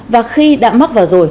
và khi đã mắc vào rồi